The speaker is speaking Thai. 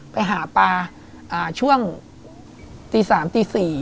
ไปหาปลาช่วงตีสามตีสี่